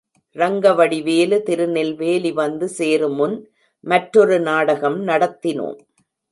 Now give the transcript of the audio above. ரங்கவடிவேலு திருநெல்வேலி வந்து சேருமுன் மற்றொரு நாடகம் நடத்தினோம்.